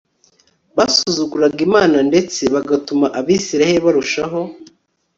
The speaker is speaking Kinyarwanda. basuzugura Imana ndetse bagatuma Abisirayeli barushaho